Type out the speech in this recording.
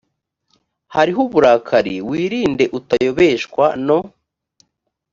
hariho uburakari wirinde utayobeshwa no